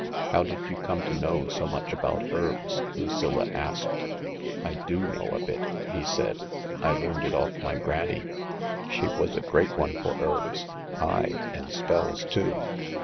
" How did you come to know so much about herbs ? f Lucilla asked. " I do know a bit," he said. " I learned it off my granny. She was a great one for herbs. Ay, and spells too.